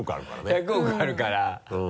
１００億あるから。